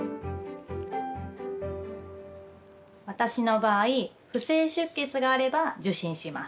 私の場合不正出血があれば受診します。